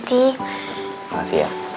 terima kasih ya